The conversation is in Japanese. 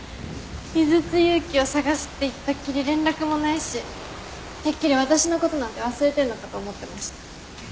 井筒祐希を捜すって言ったっきり連絡もないしてっきり私の事なんて忘れてるのかと思ってました。